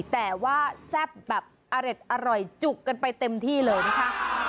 แต่ว่าแซ่บแบบอร่อยจุกกันไปเต็มที่เลยนะคะ